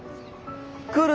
来る